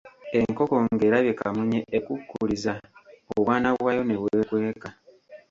Enkoko ng'erabye kamunye, ekukkuliza, obwana bwayo ne bwekweka.